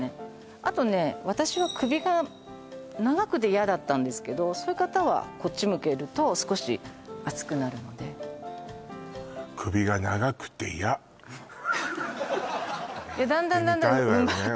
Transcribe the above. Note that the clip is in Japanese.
あとね私は首が長くて嫌だったんですけどそういう方はこっち向けると少し厚くなるので言ってみたいわよね